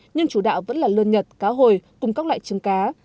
nhưng chủ đạo vẫn là lươn nhật cá hồi cùng các loại trứng cá